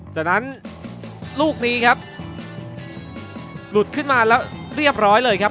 จากนั้นลูกนี้ครับหลุดขึ้นมาแล้วเรียบร้อยเลยครับ